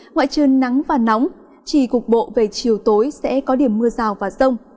ngoại trời nắng và nóng chỉ cục bộ về chiều tối sẽ có điểm mưa rào và rông